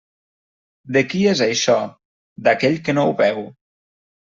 De qui és això? D'aquell que no ho veu.